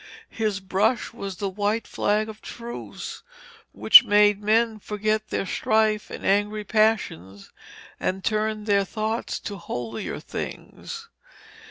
His brush was the white flag of truce which made men forget their strife and angry passions, and turned their thoughts to holier things.